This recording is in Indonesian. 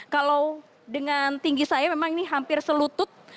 kalau dengan tinggi saya memang ini hampir selutut